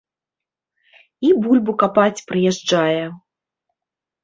І бульбу капаць прыязджае.